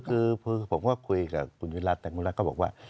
คือผมก็คุยกับคุณวิรัติแต่งคุณรัฐก็บอกว่า